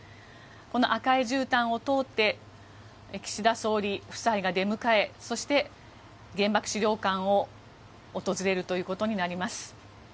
この赤いじゅうたんを通って岸田総理夫妻が出迎えそして、原爆資料館を訪れるということになります。